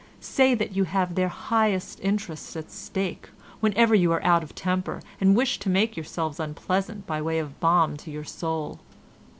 Say that you have their highest interests at stake whenever you are out of temper and wish to make yourself unpleasant by way of balm to your soul.